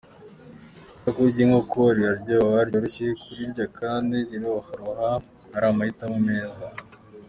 Itako ry’inkoko riraryoha, ryoroshye kurirya kandi rihora ari amahitamo meza.